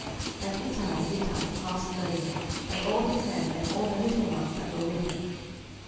And Ittai the Gittite passed over, and all his men, and all the little ones that were with him.